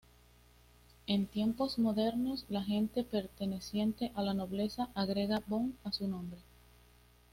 En tiempos modernos, la gente perteneciente a la nobleza agrega 'von' a su nombre.